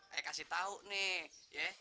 ayah kasih tahu nih